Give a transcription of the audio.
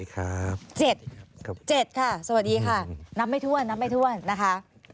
ครับ๗ค่ะสวัสดีค่ะน้ำไม่ถ้วนนะคะ